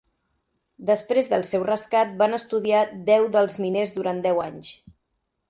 Després del seu rescat, van estudiar deu dels miners durant deu anys.